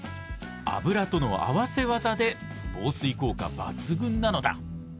脂との合わせ技で防水効果抜群なのだ。